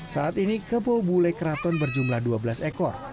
saat ini kerbau bule kraton berjumlah dua belas ekor